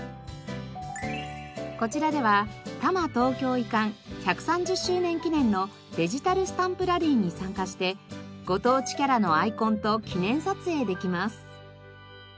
こちらでは多摩東京移管１３０周年記念のデジタルスタンプラリーに参加してご当地キャラのアイコンと記念撮影できます。